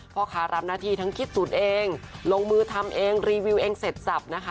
พ่อค้ารับหน้าที่ทั้งคิดสูตรเองลงมือทำเองรีวิวเองเสร็จสับนะคะ